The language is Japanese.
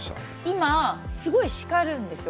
今すごい叱るんですよ